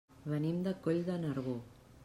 Venim de Coll de Nargó.